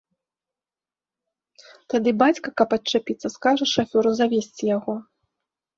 Тады бацька, каб адчапіцца, скажа шафёру завезці яго.